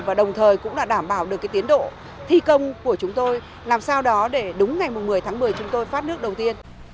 và đồng thời cũng là đảm bảo được tiến độ thi công của chúng tôi làm sao đó để đúng ngày một mươi tháng một mươi chúng tôi phát nước đầu tiên